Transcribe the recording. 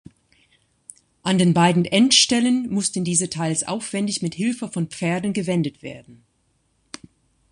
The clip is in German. An den beiden Endstellen mussten diese teils aufwändig mit Hilfe von Pferden gewendet werden.